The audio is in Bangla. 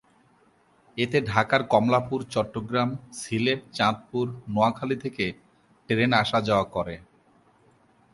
এতে ঢাকার কমলাপুর চট্টগ্রাম, সিলেট, চাঁদপুর, নোয়াখালী থেকে ট্রেন আসা যাওয়া করে।